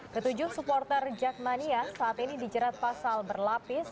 ketujuh supporter jakmania saat ini dijerat pasal berlapis